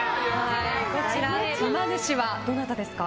こちら、うま主はどなたですか？